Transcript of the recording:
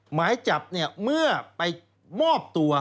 หมายจับเนี่ยเมื่อไปมอบตัว